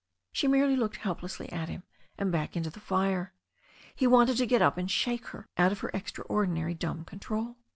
She merely looked helplessly at him and back into the fire. He wanted to get up and shake her out of her ex traordinary dumb control.